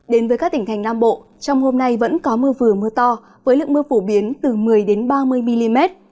đến với các tỉnh thành nam bộ trong hôm nay vẫn có mưa vừa mưa to với lượng mưa phổ biến từ một mươi ba mươi mm